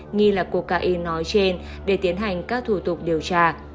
nghi là cocaine nói trên để tiến hành các thủ tục điều tra